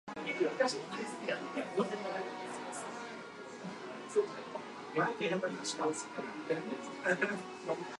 After being refused the right to settle in France, Lahad moved to Israel.